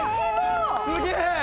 すげえ！